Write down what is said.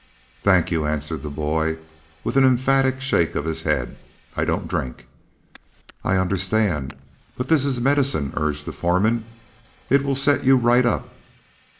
"Thank you," answered the boy, with an emphatic shake of the head. "I don't drink." "I understand. But this is medicine," urged the foreman. "It will set you right up."